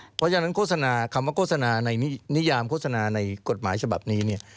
เพราะฉะนั้นโฆษณาคำว่าโฆษณาในนิยามโฆษณาในกฎหมายฉบับนี้เนี่ย